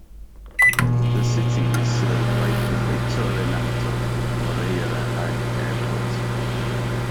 The city is served by Prefeito Renato Moreira Airport.